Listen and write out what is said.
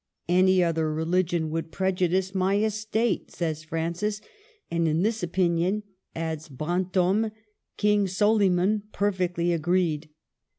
^* Any other religion would prejudice my estate," says Fran cis ; and in this opinion, adds Brantome, King Soliman perfectly agreed.